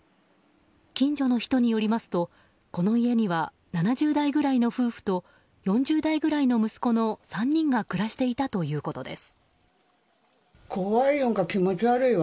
近所の人によりますとこの家には７０代ぐらいの夫婦と４０代ぐらいの息子の３人が暮らしていたということです。